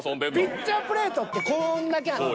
ピッチャープレートってこんだけあんねん。